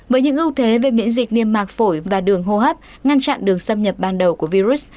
với những ưu thế về miễn dịch niêm mạc phổi và đường hô hấp ngăn chặn đường xâm nhập ban đầu của virus